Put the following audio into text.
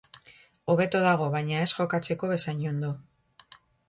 Hobeto dago baina ez jokatzeko bezain ondo.